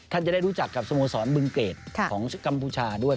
จะได้รู้จักกับสโมสรบึงเกรดของกัมพูชาด้วย